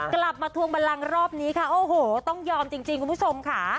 กลับมาทวงบันลังรอบนี้ค่ะโอ้โหต้องยอมจริงคุณผู้ชมค่ะ